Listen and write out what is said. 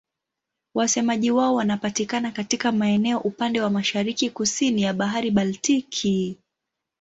Wasemaji wao wanapatikana katika maeneo upande wa mashariki-kusini ya Bahari Baltiki.